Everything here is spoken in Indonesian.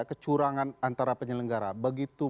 kecurangan antara penyelenggara begitu